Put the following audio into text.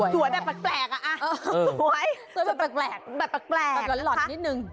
สวยแบบแปลกอะสวยแบบแปลกแบบหล่อนนิดนึง